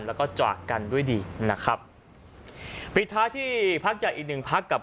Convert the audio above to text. แล้วก็จากกันด้วยดีนะครับปิดท้ายที่พักใหญ่อีกหนึ่งพักกับ